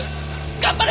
頑張れ！